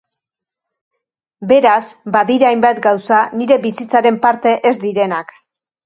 Beraz, badira hainbat gauza nire bizitzaren parte ez direnak.